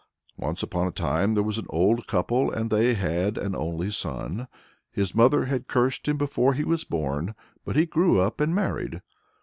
Once upon a time there was an old couple, and they had an only son. His mother had cursed him before he was born, but he grew up and married.